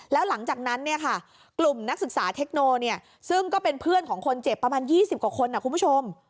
แล้วหลังจากนั้นเนี่ยค่ะกลุ่มนักศึกษาเทคโนซึ่งก็เป็นเพื่อนของคนเจ็บประมาณ๒๐กว่าคนนะคุณผู้ชม